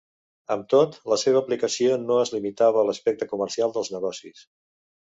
Amb tot, la seva aplicació no es limitava a l'aspecte comercial dels negocis.